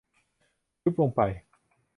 ยุบลงไป